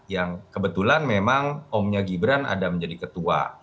yang kebetulan memang omnya gibran ada menjadi ketua